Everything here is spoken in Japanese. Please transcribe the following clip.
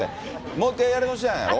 もう一回やり直しなんやろ？